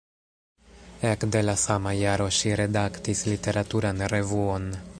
Ekde la sama jaro ŝi redaktis literaturan revuon.